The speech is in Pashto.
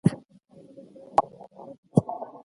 له باکو څخه اورګاډي کې باتومي ته ولاړ.